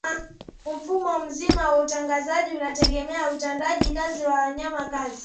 mfumo mzima wa utangazaji unategemea utendaji kazi wa wafanya kazi